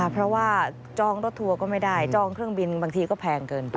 เพราะว่าจองรถทัวร์ก็ไม่ได้จองเครื่องบินบางทีก็แพงเกินไป